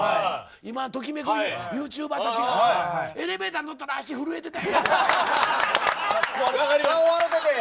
今をときめくユーチューバーたちがエレベーター乗ったら足が震えてた。